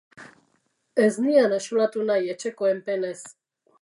Ez nian axolatu nahi etxekoen penez.